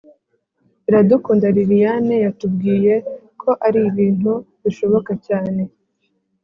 iradukunda liliane yatubwiye ko ari ibintu bishoboka cyane